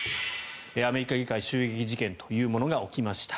アメリカ議会襲撃事件というものが起きました。